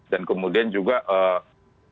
dan kemudian juga termasuk juga interaksi obat